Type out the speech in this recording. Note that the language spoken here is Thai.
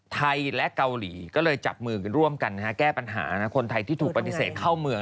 ไทยและเกาหลีก็เลยจับมือกันร่วมกันแก้ปัญหาคนไทยที่ถูกปฏิเสธเข้าเมือง